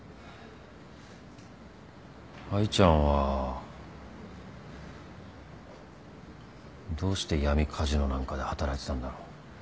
愛ちゃんはどうして闇カジノなんかで働いてたんだろう。